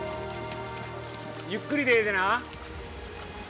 ゆっくりでええでな。